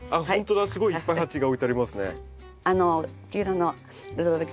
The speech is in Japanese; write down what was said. すごいいっぱい鉢が置いてありますね。